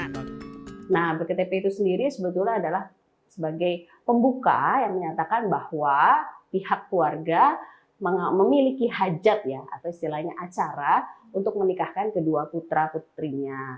nah bktp itu sendiri sebetulnya adalah sebagai pembuka yang menyatakan bahwa pihak keluarga memiliki hajat ya atau istilahnya acara untuk menikahkan kedua putra putrinya